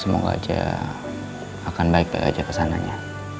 semoga aja akan baik baik aja kesananya